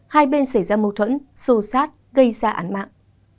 hai bên xảy ra mâu thuẫn xô xát gây ra án mạng